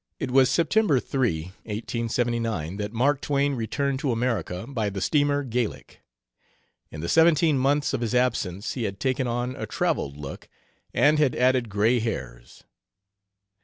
It was September 3, 1879, that Mark Twain returned to America by the steamer Gallic. In the seventeen months of his absence he had taken on a "traveled look" and had added gray hairs.